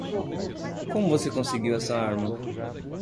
Como você conseguiu essa arma?